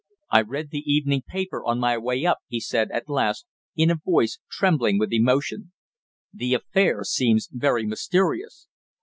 "I read the evening paper on my way up," he said at last in a voice trembling with emotion. "The affair seems very mysterious.